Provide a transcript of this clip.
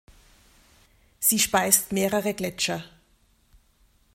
Sie speist mehrere Gletscher.